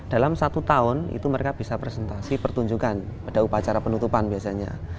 dalam satu tahun itu mereka bisa presentasi pertunjukan pada upacara penutupan biasanya